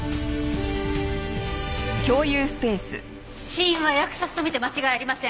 死因は扼殺と見て間違いありません。